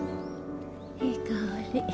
いい香り